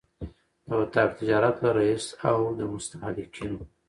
د اطاق تجارت له رئیس او د مستهلکینو